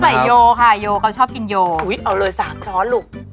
เขาใส่โยวค่ะโยวเขาชอบกินโยวโอ้ยเอาเลย๓ช้อนลูก